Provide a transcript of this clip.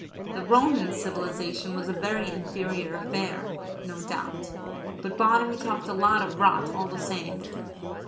The Roman civilization was a very inferior affair, no doubt. But Bonamy talked a lot of rot, all the same.